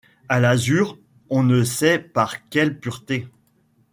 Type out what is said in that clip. A l’azur, on ne sait par quelle pureté